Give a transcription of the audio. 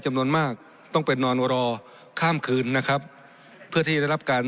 จำนวนมากต้องไปนอนรอข้ามคืนนะครับเพื่อที่จะรับการ